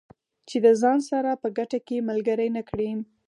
چې د ځان سره په ګټه کې ملګري نه کړي.